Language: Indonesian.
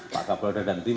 pak kapoloda dan tim